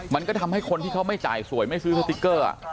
มันก็ทำให้คนที่เขาไม่จ่ายสวยไม่ซื้อสติ๊กเกอร์